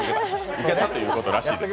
ウケたということらしいです。